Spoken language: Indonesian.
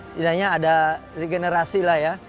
setidaknya ada regenerasi lah ya